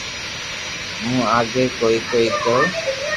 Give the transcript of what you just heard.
ھون آگي ڪوئي ڪوئي ڪيو